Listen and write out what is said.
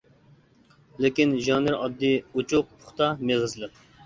لېكىن ژانىرى ئاددىي، ئوچۇق، پۇختا، مېغىزلىق.